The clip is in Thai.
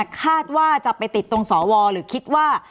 คาดว่าจะไปติดตรงสวหรือคิดว่า